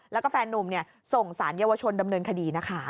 แล้วก็แฟนนุ่มส่งสารเยาวชนดำเนินคดีนะคะ